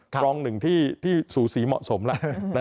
รองหนึ่งที่สูสีเหมาะสมแล้ว